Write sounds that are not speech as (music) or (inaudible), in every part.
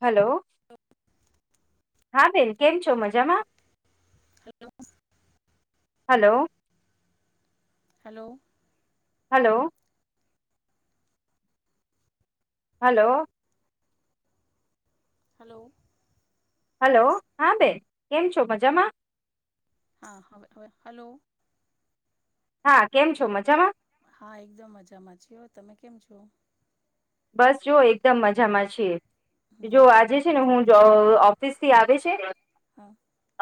હાલો, હા બેન, કેમ છો? મજામાં? Hello hello hello hello hello hello hello, હા બેન, કેમ છો? મજામાં? હા, હવે-હવે, હલો હા, કેમ છો? મજામાં? હા, એકદમ મજામાં છીઓ, તમે કેમ છો? બસ, જો એકદમ મજામાં છીએ, હમ જો હમ આજે છે ને હું જ અ ઓફિસથી આવે છે હા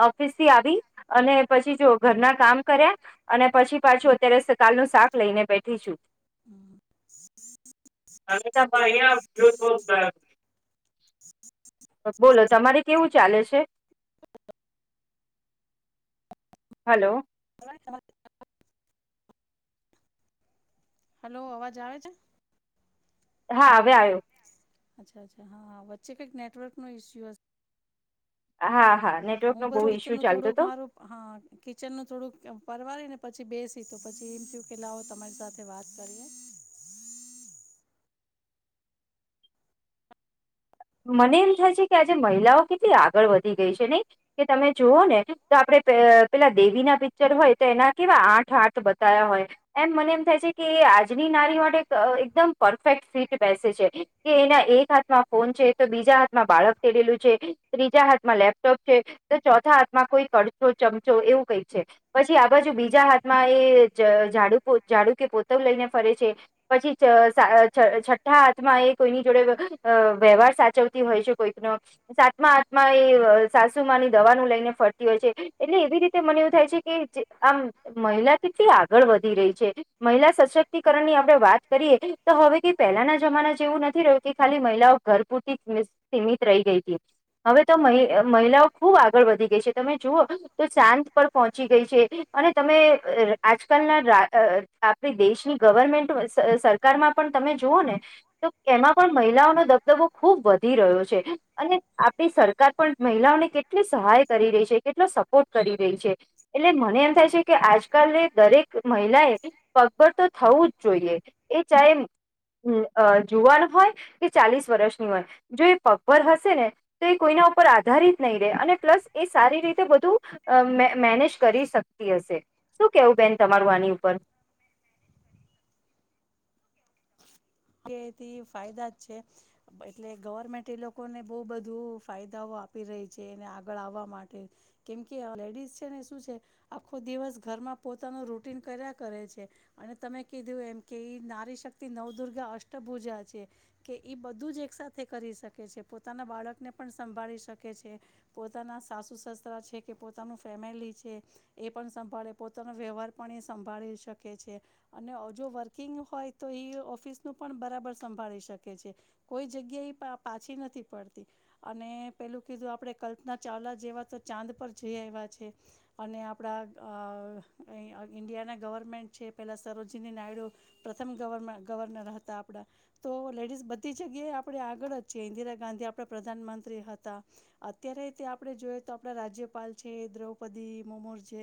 ઓફિસથી આવી અને પછી, જો ઘરના કામ કર્યા અને પછી પાછો અત્યારે સકાલનું શાક લઈને બેઠી છું. હમ્મ. (inaudible) (unintelligible) બોલો, તમારે કેવું ચાલે છે? Hello (inaudible) hello! અવાજ આવે છે? હા, અવે આયો. અચ્છા- અચ્છા, હા, વચ્ચે કઈક નેટવર્કનો ઈસ્યુ હશે. હા, હા, નેટવર્ક નો હું બહુ બધું ઈસ્યુ કિચનનુ ચાલતો થોડું હતો મારું હા, કિચનનું થોડુંક પરવારીને પછી, બેસી તો પછી એમ થેયું કે લાવો તમારી સાથે વાત કરીએ? મને એમ થાય છે કે, આજે મહિલાઓ કેટલી આગળ વધી ગઈ છે નઈ કે તમે જુઓ ને ત આપડે પે પેલા દેવી ના પિક્ચર હોય તો એના કેવા આઠ હાથ બતા્યા હોય. એમ મને એમ થાય છે કે આજની નારી માટે એકદમ પરફેક્ટ ફીટ બેસે છે. કે એના એક હાથમાં ફોન છે તો બીજા હાથમાં બાળક તેડેલું છે ત્રીજા હાથમાં લેપટોપ છે. તો ચોથા હાથમાં કોઈ કડચો ચમચો એવું કઈ છે. પછી આ બાજુ બીજા હાથમાં એ ઝ ઝાડુ પોત કે પોતવ લઈને ફરે છે. પછી ચ-સા-છ છઠ્ઠા હાથમાં એ કોઈની જોડે અ વ્યવહાર સાચવતી હોય છે કોઈક નો સાતમા હાથમા એ સાસુમાની દવાનું લઈને ફરતી હોય છે. એટલે એવી રીતે મને એવું થાય છે કે જે આમ મહિલા કેટલી આગળ વધી રહી છે. મહિલા સશક્તિકરણ ની આપડે વાત કરીએ તો હવેથી પહેલાના જમાના જે એવું નથી રહ્યું કે ખાલી મહિલાઓ ઘર પૂરતી સીમિત રહી ગઈ હતી. હવે તો મહિ-મહિલાઓ ખુબ આગળ વધી ગઈ છે તમે જુઓ તો ચાંદ પર પહોંચી ગઈ છે. અને તમે આજકાલના રા-અ-આપણી દેશની ગવર્મેન્ટ સ-સર કારમા પણ તમે જુઓ ને તો એમાં પણ મહિલાઓનો દબ દબો ખુબ વધી રહ્યો છે અને આપડી સરકાર પણ મહિલાઓને કેટલી સહાય કરી રહી છે કેટલો સપ પોર્ટ કરી રહી છે એટલે મને એમ થાય છે કે આજકાલ દરેક મહિલા એ પગભર તો થવું જ જોઈએ એ ચાહે હમ્મ અ જુવાનું હોય કે ચાલીસ વર્ષની હોય જો એ પગભર હશે ને તો એ કોઈના ઉપર આધારિત નહીં રે અને પ્લસ એ સારી રીતે બધું અમ્મ મે-મેનેજ કરી શકતી હશે શું કેવું બેન તમારું આની ઉપર. કેથી ફાયદા જ છે. એટલે ગવર્મેન્ટ એ લોકોને બહુ બધું ફાયદાઓ આપી રહી છે એને આગળ આવવા માટે કેમ કે આ લેડીઝ છે ને શું છે આખો દિવસ ઘરમાં પોતાનું રૂટીન કર્યા કરે છે. અને તમે કીધું એમ કે એ નારી શક્તિ નવદુર્ગા અષ્ટભુજા છે. કે ઈ બધું જ એક સાથે કરી શકે છે પોતાના બાળકને પણ સંભાળી શકે છે. પોતાના સાસુ-સસરા છે કે પોતાનું ફેમિલી છે. એ પણ સંભાળે પોતાનો વ્યવહાર પણ એ સંભાળી શકે છે. અને અજો વર્કિંગ હોય તો ઈ ઓફિસ નું પણ બરાબર સંભાળી શકે છે કોઈ જગ્યા એ પા-પાછી નથી પડતી. અને પેલું કીધું આપડે કલ્પના ચાવલા જેવા તો ચાંદ પર જઈ આઈવા છે. અને આપડા અ-અઈ-ઈન્ડિયાના ગવર્મેન્ટ છે પહેલાં સરોજિની નાયડુ પ્રથમ ગવર્ર ગવર્નર હતા આપડા. તો લેડીઝ બધી જગ્યાએ આપણે આગળ જ છીએ ઇન્દિરા ગાંધી આપણે પ્રધાનમંત્રી હતા. અત્યારે તે આપડે જોઈએ તો આપણા રાજ્યપાલ છે દ્રૌપદી મુમુર જે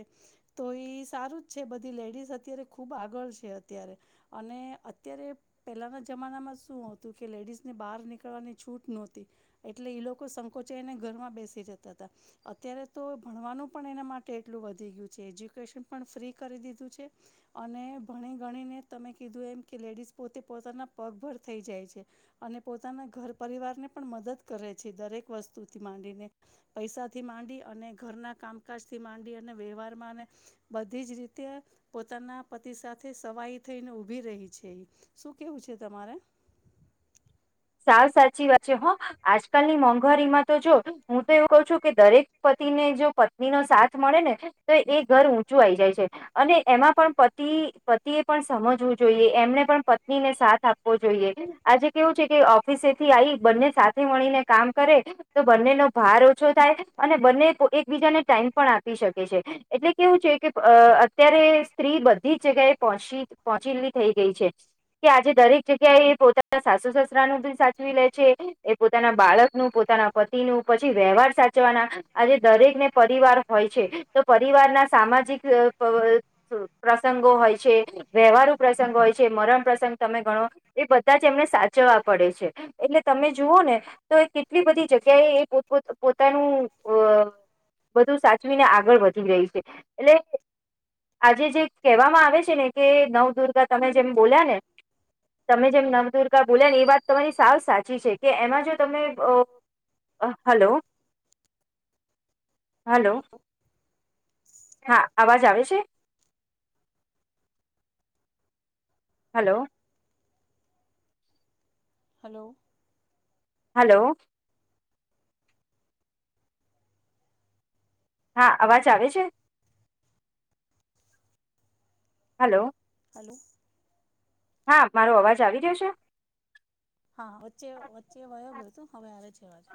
તો ઈ સારું જ છે બધી લેડીઝ અત્યારે ખૂબ આગળ છે અત્યારે. અને અત્યારે પહેલાંના જમાનામાં શું હતું કે લેડીઝને બહાર નીકળવાની છૂટ નહોતી. એટલે ઈ લોકો સંકોચેને ઘરમાં બેસી જતા હતા. અત્યારે તો ભણવાનું પણ એના માટે એટલું વધી ગયું છે એજ્યુકેશન પણ ફ્રી કરી દીધું છે અને ભણી ગણીને તમે કીધું એમ કે લેડીસ પોતે પોતાના પગભર થઈ જાય છે. અને પોતાના ઘર-પરિવારને પણ મદદ કરે છે. દરેક વસ્તુથી માંડીને. પૈસાથી માંડી, અને ઘરના કામકાજ થી માંડી, અને વ્યવહારમાં બધી જ રીતે પોતાના પતિ સાથે સવાઈ થઈને ઊભી રહી છે ઈ. શું કેવું છે તમારે. સાવ સાચી વાત છે હો આજકાલની મોંઘવારીમાં તો જો હું તો એવું કઉ છું કે દરેક પતિને જો પત્ની નો સાથ મળે ને તો એ ઘર ઊંચું આઈ જાય છે. અને એમાં પણ પતિ પતિએ પણ સમજવું જોઈએ એમને પણ પત્ની ને સાથ આપવો જોઈએ. આજે કેવું છે કે ઓફિસેથી આઈ બંને સાથે મળીને કામ કરે તો બંને નો ભાર ઓછો થાય અને બંને એકબીજાને ટાઈમ પણ આપી શકે છે એટલે કેવું છે કે અ-અત્યારે સ્ત્રી બધી જ જગ્યાએ પહોંચી પહોચીલી થઈ ગઈ છે કે આજે દરેક જગ્યાએ એ પોતાના સાસુ સસરાનું સાચવી લે છે એ પોતાના, બાળકનું પોતાના પતિ નું પછી, વ્યવહાર સાચવાનો. આજે દરેક ને પરિવાર હોય છે. પરિવાર ના સામાજિક પ્રસંગો હોય છે. વ્યવહારું પ્રસંગ હોય છે, મરણ પ્રસંગ, તમે ગણો, એ બધા જ એમને સાચવા પડે છે. એટલે, તમે જુઓ ને, તો એ કેટલી બધી જગ્યાએ, એ પોતાનું અ બધું સાચવીને આગળ વધી રહી છે, એટલે આજે જે કહેવામાં આવે છે ને, કે નવદુર્ગા, તમે જેમ બોલ્યા ને. તમે જેમ નવદુર્ગા બોલ્યા ને, એ વાત તમારી સાવ સાચી છે, કે એમાં જો તમે હલો. હલો. હા, અવાજ આવે છે. હલો. હલો. હલો. હા, અવાજ આવે છે? હલો. હલો. હા, મારો અવાજ આવી રહ્યો છે? હા, વચ્ચે વચ્ચે વયો ગયો હતો. હવે આવે છે અવાજ.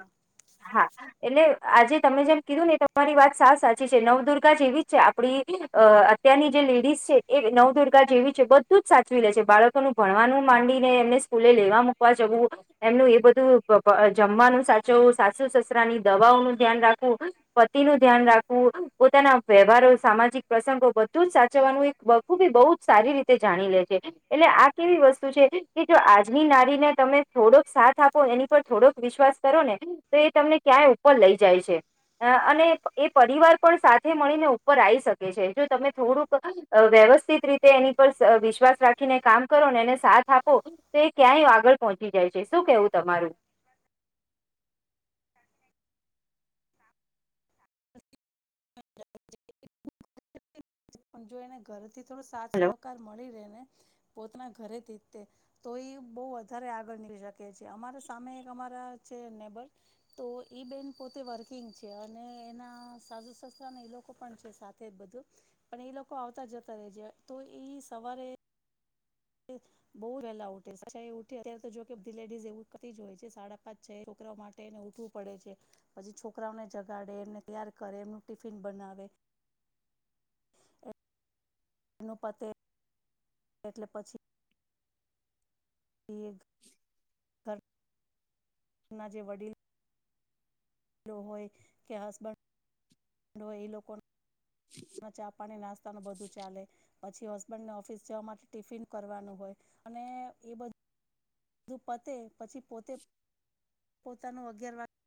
હા, એટલે આજે તમે જેમ કીધું ને, એ તમારી વાત સાચી છે. નવદુર્ગા જેવી છે. આપડી અત્યારની જે લેડીઝ છે, એ નવદુર્ગા જેવી છે. બધું જ સાચવી લે છે, બાળક બાળકોનું ભણવાનું માંડીને, એમને સ્કૂલે લેવા-મૂકવા જવું. એમનું એ બધું જમવાનું સાચવવું, સાસુ-સસરાની દવાઓનું ધ્યાન રાખવું. પતિનું ધ્યાન રાખવું, પોતાના વ્યવહારો, સામાજિક પ્રસંગો, બધું જ સાચવવાનું. બખુબી બઉુ જ સારી રીતે જાણી લે છે. એટલે, આ કેવી વસ્તુ છે કે, જો આજની નારીને તમે થોડોક સાથ આપો, એની પર થોડોક વિશ્વાસ કરો ને, તો એ તમને ક્યાંય ઉપર લઈ જાય છે. અને એ પરિવાર પણ સાથે મળીને ઉપર આવી શકે છે, જો તમે થોડુંક વ્યવસ્થિત રીતે, એની પર વિશ્વાસ રાખીને કામ કરો ને, એને સાથ આપો. તો ક્યાંય આગળ પહોંચી જાય છે. શું કેવું તમારું? પણ, જો એને ઘરેથી થોડો સાથ હલો સહકાર મળી રહેે ને, પોતાના ઘરેથી તે તો એ બહુ વધારે આગળ નીકળી શકે છે. અમારા સામે એક અમારા છે ને. તો એ બેન પોતે વર્કિંગ છે, અને એના સાસુ-સસુરાના એ લોકો પણ છે સાથે. બધું, પણ એ લોકો આવતા-જતા રહે છે, તો એ સવારે એક. બઉુ પેલા ઉઠે, છ વાગે ઉઠે. અત્યારે તો જો કે, લેડીઝ એવી જ હોય છે, સાડા પાંચ-છ, છોકરાઓ માટે તે એને ઉઠવું પડે છે, પછી છોકરાઓને જગાડે, એમને તૈયાર કરે, એમનું ટિફિન બનાવે. એ પતે, એટલે પછી ના જે ધરના વડીલ હોય કે, હસબન્ડ હોય, એ લોકો ના, ચા-પાણી, નાસ્તાનું બધું ચાલે પછી. બંને ઓફિસ જવા માટે ટિફિન કરવાનું હોય, અને એ બધું. બધું પતે પછી, પોતે પોતાનું, અગિયાર વાગ્યે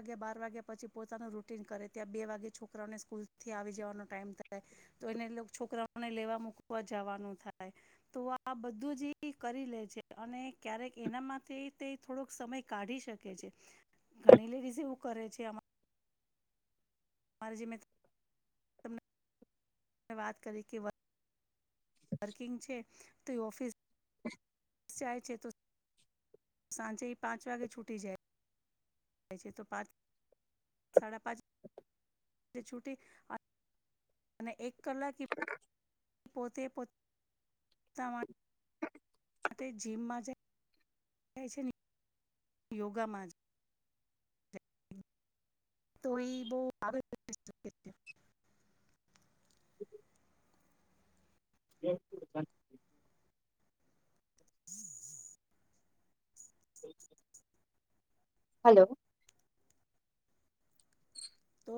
વાગ્યા બાર વાગ્યા પછી, પોતાનું રૂટીન કરે. ત્યાં બે વાગે છોકરાને સ્કૂલ થી આવી જવાનો ટાઈમ થાય. તો એને છોકરાઓને લેવા મૂકવા જવાનું થાય. તો, આ બધું જ એ કરી લે છે, અને ક્યારેક એનામાંથી તે થોડોક સમય કાઢી શકે છે. ઘણી લેડીઝ એવું કરે છે. મારે જે વાત કરી કે પારર્કિંગ છે, તો ઓફિસ હ. (unintelligible) જાય છે તો સાંજે પાંચ વાગે છૂટી જાય છે તો પાંચ સાડા પાંચ છૂટી. અને એક કે કલાક પોતે પો. માટે જીમમાં જાય જાય છે યોગામાં જ. તો એ બહુ આગળ શ (inaudible) (unintelligible) હા (unintelligible) જે (unintelligible) હમ (inaudible) હલો. તો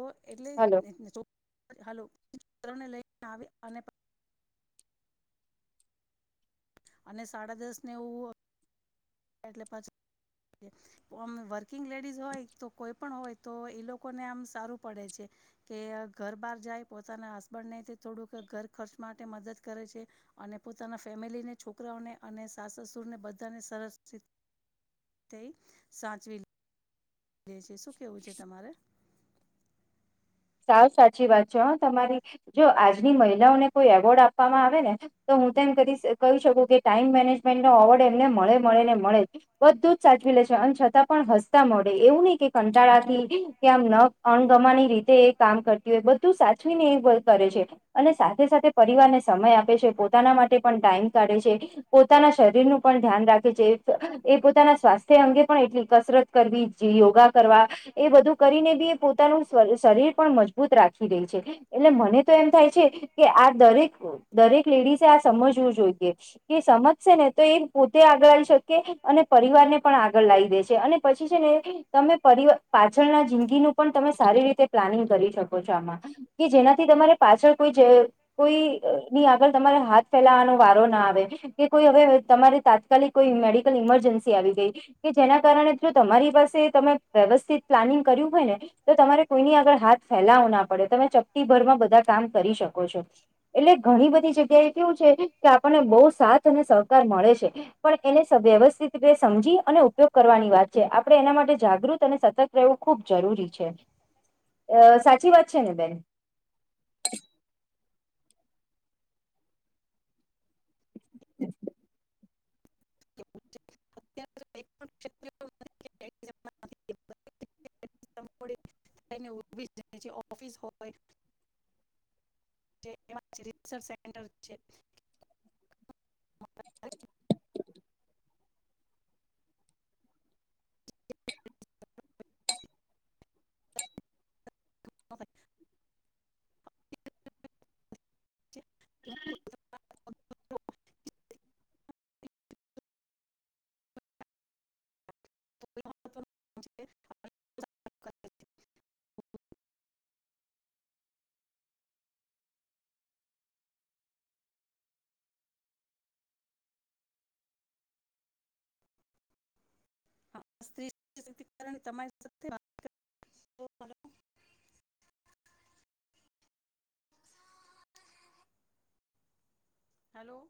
હલો એટલેો હાલને લઈ આવ (inaudible) અને સાડા દસ ને એવું. એટલે પછે. આમ વર્કિંગ લેડીઝ હોય તો કોઈ પણ હોય તો એ લોકોને આમ સારું પડે છે. કે ઘર બહાર જાય પોતાના હસબન્ડે ને થોડુંક ઘર ખર્ચ માટે મદદ કરે છે. અને પોતાના ફેમિલીને છોકરાઓને અને સાસસુર ને બધાને સરસ થઈ સાચવી લે છે શું કેવું છે તમારે. સાવ સાચી વાત છે હો તમારી જો આજની મહિલાઓને કોઈ એવોર્ડ આપવામાં આવે ને. તો હું તેમ કરી કહી શકું કે ટાઈમ મેનેજમેન્ટ નો અવોર્ડ એમને મળે મળે ને મળે. બધું જ સાચવી લે છે અને છતાં પણ હસતા મોંઢે એવું નહિ કે કંટાળાથી કે આમ ન અણગમાણી રીતે એ કામ કરતી હોય બધું સાચવીને એ કરે છે. અને સાથે સાથે પરિવારને સમય આપે છે પોતાના માટે પણ ટાઈમ કાઢે છે. પોતાના શરીરનું પણ ધ્યાન રાખે છે એ પોતાના સ્વાસ્થ્ય અંગે પણ એટલી કસરત કરવી જી યોગા કરવા એ બધું કરીને બી પોતાનું શ શરીર. પણ મજબૂત રાખવી રે છે એટલે મને તો એમ થાય છે કે આ દરેક દરેક લેડીસે આ સમજવું જોઈએ. એ સમજશે ને તો એ પોતે આગળ લ શકે અને પરિવાર ને પણ આગળ લાવી દેશે અને. પછી છે ને તમે પરિવાર પાછળના જિંદગીનું પણ તમે સારી રીતે પ્લાનિંગ કરી શકો છો આમાં કે જેનાથી તમારે પાછળ કોઈ જે. કોઈ ની આગળ તમારે હાથ ફેલાવાનો વારો ના આવે. કે કોઈ હવે તમારે તાત્કાલિક કોઈ મેડિકલ ઈમરજન્સી આવી ગઈ. કે જેના કારણે જો તમારી પાસે તમે વ્યવસ્થિત પ્લાનિંગ કર્યું હોય ને. તો તમારે કોઈની આગળ હાથ ફેલાવો ના પડે તમે ચપટી ભરમાં બધા કામ કરી શકો છો. એટલે ઘણી બધી જગ્યા એ કેવું છે કે આપણને બહુ સાથ અને સહકાર મળે છે. પણ એને સવ વ્યવસ્થિત રીતે સમજી અને ઉપયોગ કરવાની વાત છે આપડણે એના માટે જાગૃત અને સતત. રહેવું ખુબ જરૂરી છે. અ સાચી વાત છે ને બેન. એવું છે. (inaudible) નથી કે એક્ઝામમાં નથી. એ ઓફિસ જાય છે ઓફિસ હોય. જે એમાં રિસર્ચ સેન્ટર છે. (inaudible) (inaudible) છે કે હું પોતાના મહત્વનું છે. (inaudible) હ સ્ત્રી તમારી સાથે (inaudible) હલો.